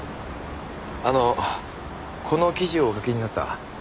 あのこの記事をお書きになった。